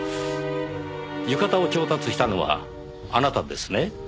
浴衣を調達したのはあなたですね？